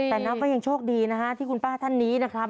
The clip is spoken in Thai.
แต่นับก็ยังโชคดีนะฮะที่คุณป้าท่านนี้นะครับ